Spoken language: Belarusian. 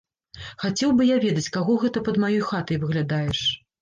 Хацеў бы я ведаць, каго гэта пад маёй хатай выглядаеш?